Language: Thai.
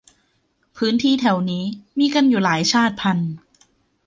พื้นที่แถวนี้ มีอยู่กันหลายชาติพันธุ์